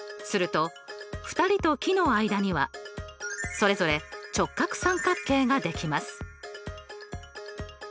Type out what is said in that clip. すると２人と木の間にはそれぞれ直角三角形ができます。